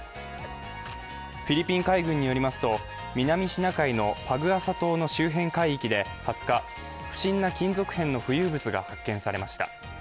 フィリピン海軍によりますと南シナ海のパグアサ島の周辺海域で２０日、不審な金属片の浮遊物が発見されました。